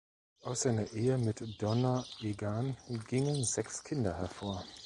Aus seiner Ehe mit Donna Egan gingen sechs Kinder hervor.